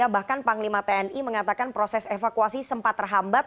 bahkan panglima tni mengatakan proses evakuasi sempat terhambat